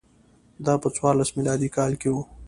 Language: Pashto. دا په څوارلس میلادي کال کې و